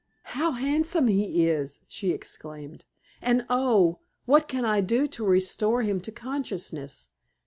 "How handsome he is!" she exclaimed. "And oh! what can I do to restore him to consciousness?